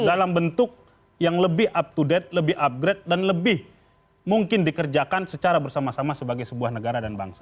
dalam bentuk yang lebih up to date lebih upgrade dan lebih mungkin dikerjakan secara bersama sama sebagai sebuah negara dan bangsa